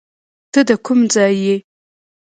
ته د کم ځای یې